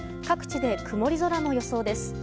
各地で曇り空の予想です。